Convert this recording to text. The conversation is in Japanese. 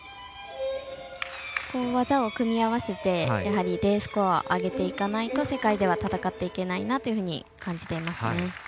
技を組み合わせて、やはりＤスコアを上げていかないと世界では戦っていけないなと感じていますね。